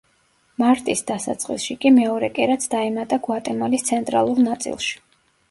მარტის დასაწყისში კი მეორე კერაც დაემატა გვატემალის ცენტრალურ ნაწილში.